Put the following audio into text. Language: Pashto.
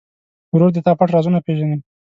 ورور د تا پټ رازونه پېژني.